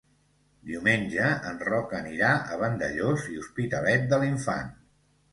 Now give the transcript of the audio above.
Diumenge en Roc anirà a Vandellòs i l'Hospitalet de l'Infant.